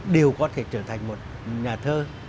đều có thể trở thành một nhà thơ